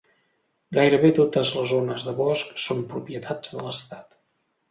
Gairebé totes les zones de bosc són propietats de l'Estat.